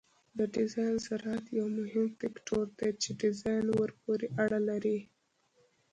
د ډیزاین سرعت یو مهم فکتور دی چې ډیزاین ورپورې اړه لري